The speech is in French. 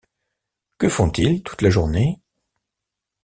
Que font-ils toute la journée?